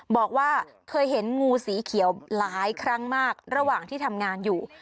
บอกว่าเคยเห็นงูสีเขียวหลายครั้งมากระหว่างที่ทำงานอยู่